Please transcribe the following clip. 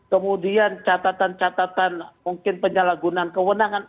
kemudian catatan catatan mungkin penyalahgunaan kewenangan